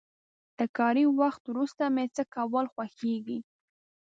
له کاري وخت وروسته مې څه کول خوښيږي؟